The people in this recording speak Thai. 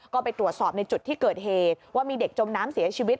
ก็ไปตรวจสอบในจุดที่เกิดเหตุว่ามีเด็กจมน้ำเสียชีวิต